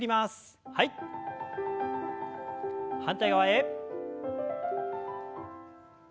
反対側へ。